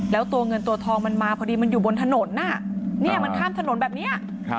แล้วตัวเงินตัวทองมันมาพอดีมันอยู่บนถนนมันข้ามถนนแบบนี้